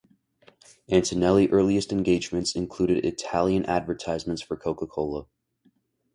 Antonelli earliest engagements included Italian advertisements for Coca-Cola.